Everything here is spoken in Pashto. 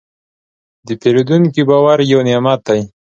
د پیرودونکي باور یو نعمت دی.